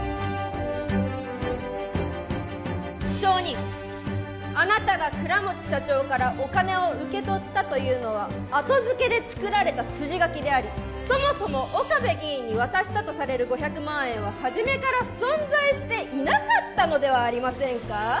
証人あなたが倉持社長からお金を受け取ったというのは後付けで作られた筋書きでありそもそも岡部議員に渡したとされる５００万円は初めから存在していなかったのではありませんか？